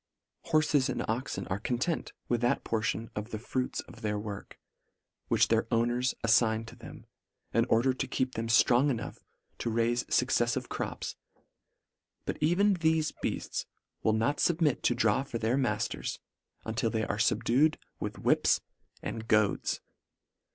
Horfes and oxen are content with that portion of the fruits of their work, which their owners af fign to them, in order to keep them ftrong enough to raife fuccefiive crops ; but even thefe hearts will not fubmit to draw for their mafters, until they are fubdued with whips and goads.